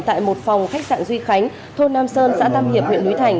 tại một phòng khách sạn duy khánh thôn nam sơn xã tam hiệp huyện núi thành